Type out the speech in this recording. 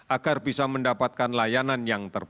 agar bisa mendapatkan layanan yang terbaik